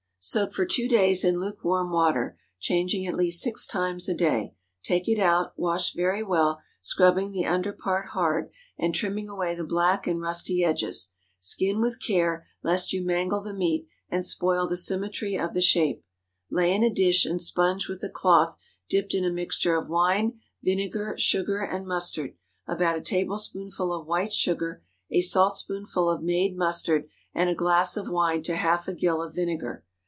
Soak for two days in lukewarm water, changing at least six times a day. Take it out, wash very well, scrubbing the under part hard, and trimming away the black and rusty edges. Skin with care, lest you mangle the meat and spoil the symmetry of the shape. Lay in a dish and sponge with a cloth dipped in a mixture of wine, vinegar, sugar, and mustard—about a tablespoonful of white sugar, a saltspoonful of made mustard, and a glass of wine to half a gill of vinegar.